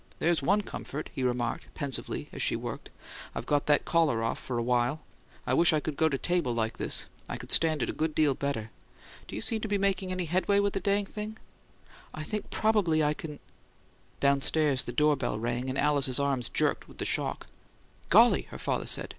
"There's ONE comfort," he remarked, pensively, as she worked. "I've got that collar off for a while, anyway. I wish I could go to table like this; I could stand it a good deal better. Do you seem to be making any headway with the dang thing?" "I think probably I can " Downstairs the door bell rang, and Alice's arms jerked with the shock. "Golly!" her father said.